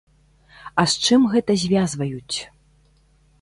А з чым гэта звязваюць?